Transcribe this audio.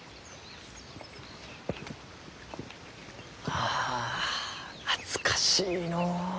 ああ懐かしいのう。